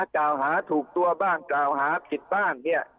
เก่าหาถูกตัวย่าบ้างเก่าหาผิดบ้างเนี่ย